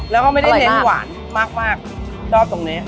แล้วก็ไม่ได้เน้นหวานมากรอบตรงนี้